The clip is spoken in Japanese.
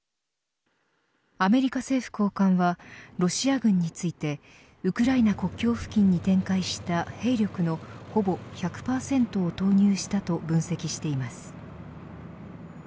アメリカ政府高官はロシア軍についてウクライナ国境付近に展開した兵力のほぼ１００％を投入したと分析しています。